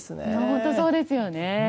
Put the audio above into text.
本当そうですよね。